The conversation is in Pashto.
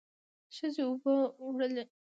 ښځې اوبه وړلې.